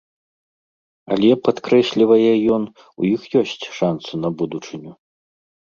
Але, падкрэслівае ён, у іх ёсць шансы на будучыню.